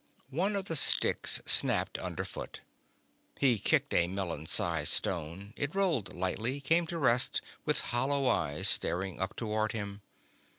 One of the sticks snapped underfoot. He kicked a melon sized stone. It rolled lightly, came to rest with hollow eyes staring toward him.